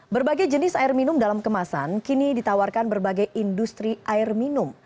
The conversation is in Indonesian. berbagai jenis air minum dalam kemasan kini ditawarkan berbagai industri air minum